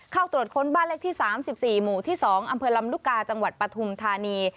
เข้าตรวจค้นบ้านเลขที่๓๔หมู่ที่๒อำเภอลำลูกกาจังหวัดปฐุมธานี